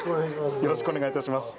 よろしくお願いします。